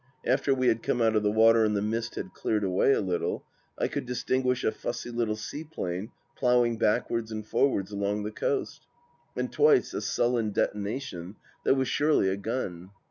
... After we had come out of the water and the mist had cleared away a little, I could distinguish a fussy little seaplane ploughing backwards and forwards along the coast. ... And twice a sullen detonation that was surely a gun